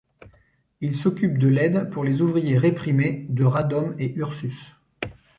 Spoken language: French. Il s'occupe de l'aide pour les ouvriers réprimés de Radom et Ursus.